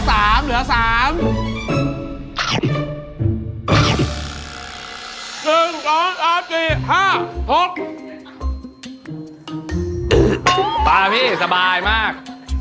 อ่าไปล่ะพี่สบายมาก